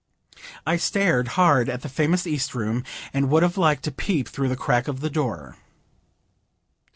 I stared hard at the famous East Room, and would have liked a peep through the crack of the door.